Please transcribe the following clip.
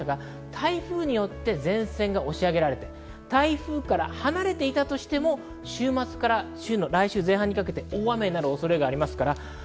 台風によって前線が押し上げられて台風から離れていたとしても週末から来週前半にかけて大雨になる恐れがあります。